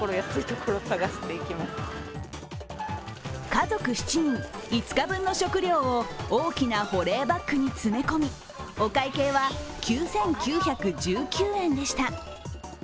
家族７人、５日分の食料を大きな保冷バッグに詰め込みお会計は９９１９円でした。